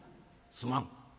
「すまん。